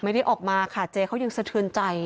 ไม่ได้ออกมาค่ะเจเขายังสะเทือนใจ